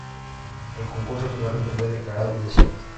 El concurso finalmente fue declarado desierto.